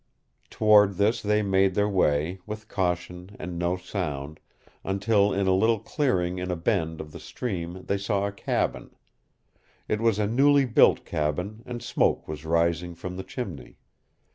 Toward this they made their way, with caution and no sound, until in a little clearing in a bend of the stream they saw a cabin. It was a newly built cabin, and smoke was rising from the chimney.